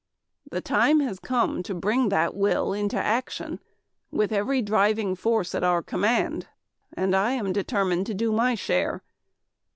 "The time has come to bring that will into action with every driving force at our command. And I am determined to do my share.